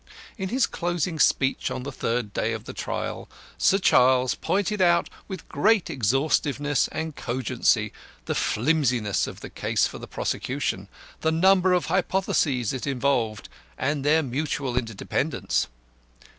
In his closing speech on the third day of the trial, Sir CHARLES pointed out with great exhaustiveness and cogency the flimsiness of the case for the prosecution, the number of hypotheses it involved, and their mutual interdependence.